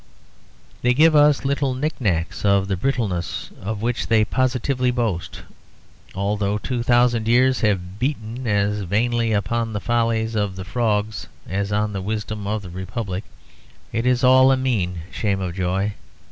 They give us little knick knacks of the brittleness of which they positively boast, although two thousand years have beaten as vainly upon the follies of the 'Frogs' as on the wisdom of the 'Republic.' It is all a mean shame of joy.